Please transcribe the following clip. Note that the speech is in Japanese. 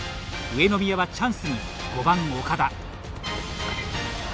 上宮はチャンスに、５番・岡田。